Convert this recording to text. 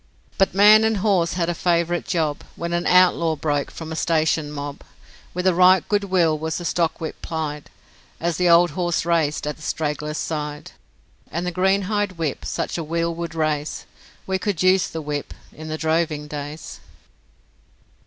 But man and horse had a favourite job, When an outlaw broke from a station mob, With a right good will was the stockwhip plied, As the old horse raced at the straggler's side, And the greenhide whip such a weal would raise, We could use the whip in the droving days.